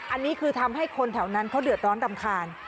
อันนี้คือทำให้คนแถวนั้นเขาเดือดร้อนรำคาญ